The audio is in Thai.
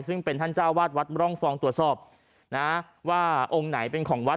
ซึ่งเป็นท่านเจ้าวาดวัดร่องฟองตรวจสอบนะว่าองค์ไหนเป็นของวัด